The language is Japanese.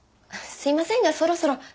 すみませんがそろそろ。